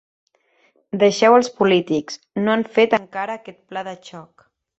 Deixeu els polítics, no han fet encara aquest pla de xoc.